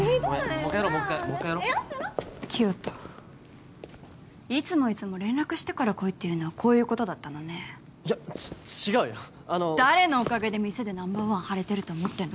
もう一回やろう清斗いつもいつも連絡してから来いって言うのはこういうことだったのねいや違うよあの誰のおかげで店でナンバーワンはれてると思ってんの？